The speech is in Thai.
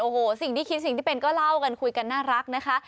โอ้โหสิ่งที่คิดสิ่งที่เป็นก็เล่ากันคุยกันน่ารักนะคะ